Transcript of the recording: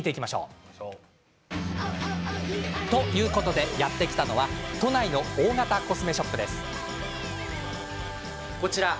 ということで、やって来たのは都内の大型コスメショップです。